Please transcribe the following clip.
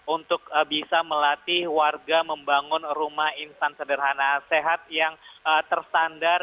untuk bisa melatih warga membangun rumah instanseterana sehat yang terstandar